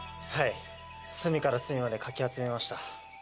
はい隅から隅までかき集めました。